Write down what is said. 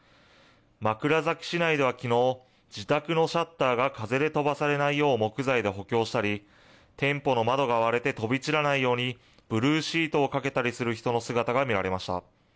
枕崎市内ではきのう、自宅のシャッターが風で飛ばされないよう木材で補強したり、店舗の窓が割れて飛び散らないように、ブルーシートをかけたりする人の姿が見られました。